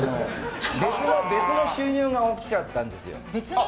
別の収入が大きかったんですよ。